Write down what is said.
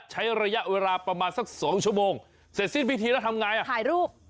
ใช้ระยะเวลาประมาณสัก๒ชั่วโมงเสร็จสิ้นพิธีแล้วทำไงอ่ะถ่ายรูป